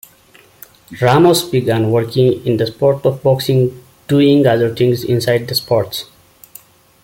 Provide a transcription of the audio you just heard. Ramos began working in the sport of boxing doing other things inside the sport.